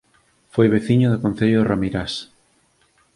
Foi veciño do Concello de Ramirás